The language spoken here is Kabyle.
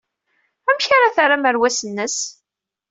Amek ara terr amerwas-nnes?